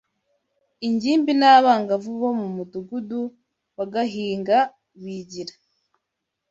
ingimbi n’abangavu bo mu mudugudu wa Gahinga bigira